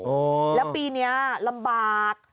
โอ้โฮแล้วปีนี้ลำบาก